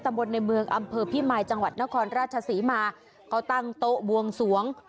มือเมืองอำเภอพี่ไมย์จังหวัดณครราชสิมาเขาตั้งโต๊ะวงสวง